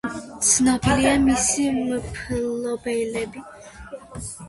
ცნობილია მისი მფლობელები.